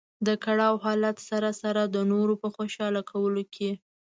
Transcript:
د کړاو حالت سره سره د نورو په خوشاله کولو کې.